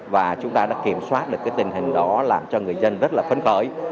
và chúng ta đã kiểm soát được cái tình hình đó làm cho người dân rất là phấn khởi